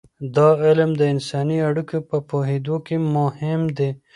دا علم د انساني اړیکو په پوهیدو کې مهم دی.